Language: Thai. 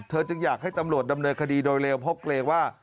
เธอจึงอยากให้ตำรวจดำเนยคดีโดยเรียวพกเรียกว่า